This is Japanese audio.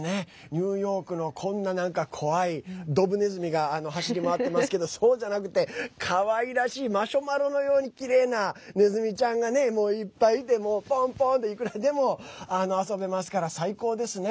ニューヨークの、こんななんか怖い、ドブネズミが走り回ってますけどそうじゃなくて、かわいらしいマシュマロのようにきれいなネズミちゃんがいっぱいいて、ポンポンっていくらでも遊べますから最高ですね。